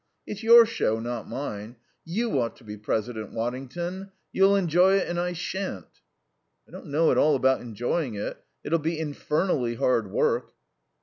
It's your show, not mine. You ought to be president, Waddington. You'll enjoy it and I shan't." "I don't know at all about enjoying it. It'll be infernally hard work."